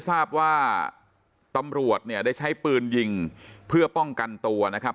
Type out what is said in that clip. ทราบว่าตำรวจเนี่ยได้ใช้ปืนยิงเพื่อป้องกันตัวนะครับ